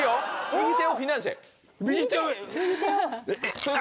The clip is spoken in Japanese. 右手をフィナンシェ。